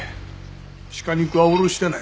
鹿肉は卸してない。